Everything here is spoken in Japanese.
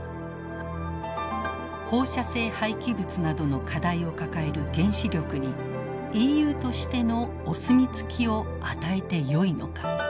放射性廃棄物などの課題を抱える原子力にＥＵとしてのお墨付きを与えてよいのか。